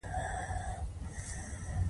ایا ستاسو لاسونه خیر کوي؟